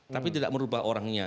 tapi tidak merubah orangnya